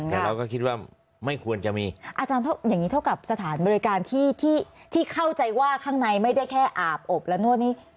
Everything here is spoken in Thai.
แต่เราก็คิดว่าไม่ควรจะมีอาจารย์อย่างนี้เท่ากับสถานบริการที่เข้าใจว่าข้างในไม่ได้แค่อาบอบนวดนี้